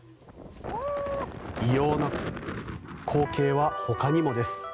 異様な光景はほかにもです。